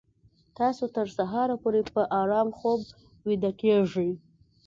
تاسو تر سهاره پورې په ارام خوب ویده کیږئ